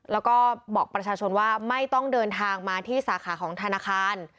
แล้วก็บอกประชาชนว่าไม่ต้องเดินทางมาที่สาขาของธนาคาร